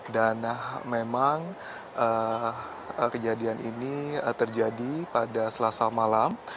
memang kejadian ini terjadi pada selasa malam